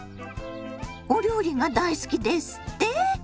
お料理が大好きですって？